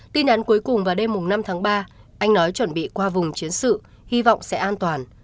tin án cuối cùng vào đêm năm tháng ba anh nói chuẩn bị qua vùng chiến sự hy vọng sẽ an toàn